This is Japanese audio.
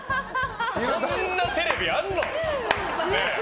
こんなテレビあんの？